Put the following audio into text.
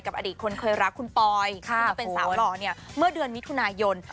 อดีตคนเคยรักคุณปอยซึ่งเป็นสาวหล่อเนี่ยเมื่อเดือนมิถุนายน